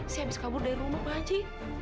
saya habis kabur dari rumah pak haji